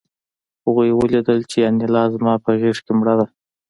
هغوی ولیدل چې انیلا زما په غېږ کې مړه ده